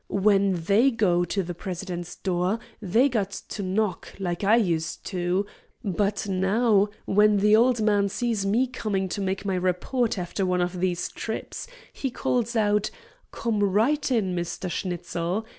When they go to the president's door, they got to knock, like I used to, but now, when the old man sees me coming to make my report after one of these trips he calls out, 'Come right in, Mr. Schnitzel.'